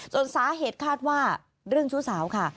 ส่วนสาเหตุคาดว่าเรื่องชู้สาวค่ะ